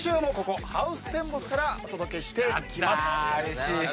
うれしい。